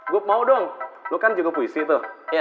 gue mau dong lo kan juga puisi tuh